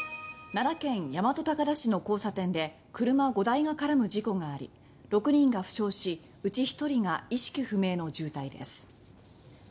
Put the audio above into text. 奈良県大和高田市の交差点で車５台が絡む事故があり６人が負傷し、うち１人が意識不明の重体です。